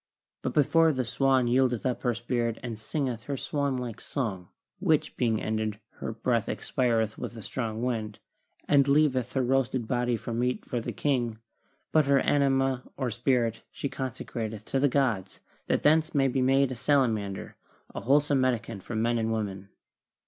But before the swan yieldeth up her spirit she singeth her swan like song, which being ended, her breath expireth with a strong wind, and leav eth her roasted body for meat for the king, but her anima or spirit she consecrateth to the gods that thence may be made a salamander, a wholesome medicament for men and women."